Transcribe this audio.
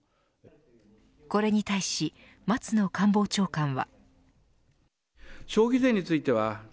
これに対し松野官房長官は。